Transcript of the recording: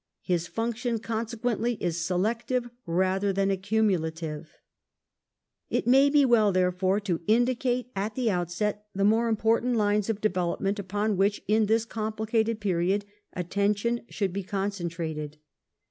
His function, consequently, is selective rather than accumulative. Mainlines It may be well, therefore, to indicate at the outset the more °^^^^f^°P" important lines of development upon which in this complicated nine period attention should be concentrated.